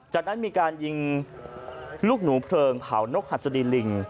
จากนั้นมีการยิงลูกหนูเพลิงเผานกหัสดีลิง